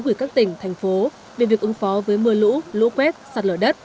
gửi các tỉnh thành phố về việc ứng phó với mưa lũ lũ quét sạt lở đất